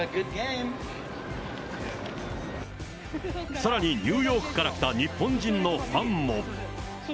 さらにニューヨークから来た日本人のファンも。